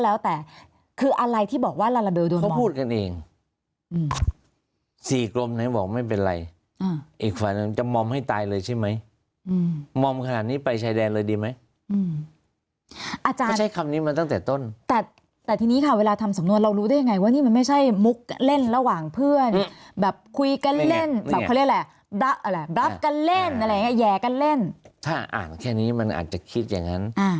แล้วเขาบอกมันไม่ครบมันไม่ขาดอย่างนี้มันน่าจะมีตรงนี้ปรึกษากัน